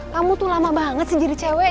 kamu tuh lama banget sih jadi cewek